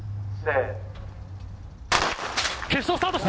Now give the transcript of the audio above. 決勝スタートした。